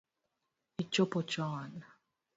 Ichopo choon?